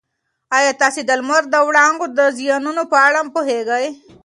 ایا تاسي د لمر د وړانګو د زیانونو په اړه پوهېږئ؟